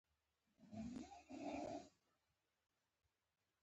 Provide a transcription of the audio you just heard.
• خراب غاښونه د ناروغۍ لامل کیږي.